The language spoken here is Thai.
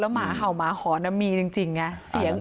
แล้วห่าวหมาหอนมีจริง